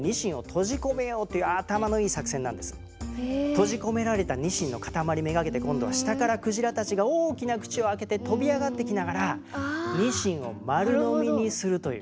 閉じ込められたニシンの塊めがけて今度は下からクジラたちが大きな口を開けて跳び上がってきながらニシンを丸のみにするという。